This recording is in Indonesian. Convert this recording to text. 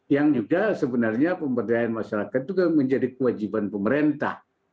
yang juga sebenarnya pemberdayaan masyarakat juga menjadi kewajiban pemerintah